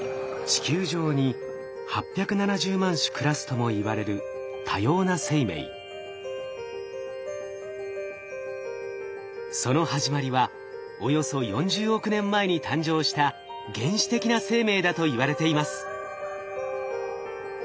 地球上に８７０万種暮らすともいわれるその始まりはおよそ４０億年前に誕生した原始的な生命だといわれています。